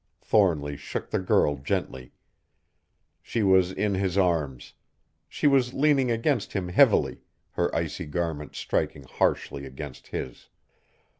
Thornly shook the girl gently. She was in his arms. She was leaning against him heavily, her icy garment striking harshly against his.